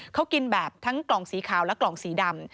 เขากินแบบทั้งกล่องสีขาวและกล่องสีดำ